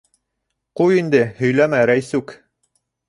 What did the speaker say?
- Ҡуй инде, һөйләмә, Рәйсүк!